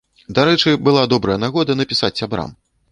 Дарэчы, была добрая нагода напісаць сябрам.